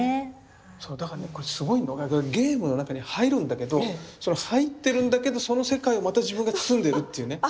だからねこれすごいのがゲームの中に入るんだけど入ってるんだけどその世界をまた自分が包んでるっていうね。